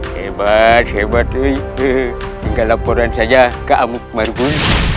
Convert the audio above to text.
hebat hebat tinggal laporan saja ke amuk margun